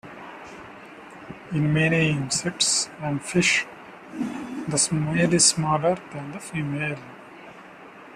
In many insects and fish the male is smaller than the female.